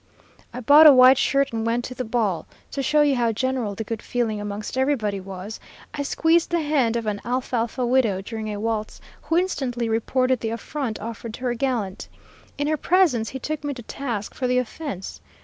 "I bought a white shirt and went to the ball. To show you how general the good feeling amongst everybody was, I squeezed the hand of an alfalfa widow during a waltz, who instantly reported the affront offered to her gallant. In her presence he took me to task for the offense.